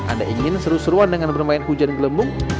anda ingin seru seruan dengan bermain hujan gelembung